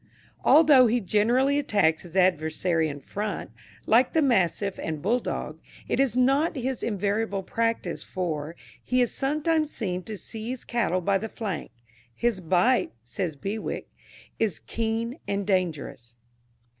Although he generally attacks his adversary in front, like the mastiff and bull dog, it is not his invariable practice, for, he is sometimes seen to seize cattle by the flank. His bite, says Bewick, is keen and dangerous.